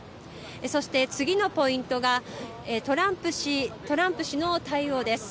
そして、次のポイントがトランプ氏の対応です。